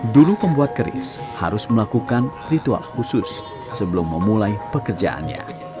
dulu pembuat keris harus melakukan ritual khusus sebelum memulai pekerjaannya